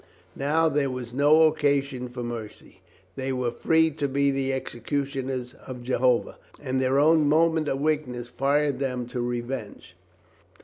Now there was no occasion for mercy. They were free to be the executioners of Jehovah. And their own moment of weakness fired them to re venge.